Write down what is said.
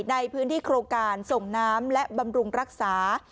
ในพื้นที่โครงการส่งน้ำและบำรุงรักษา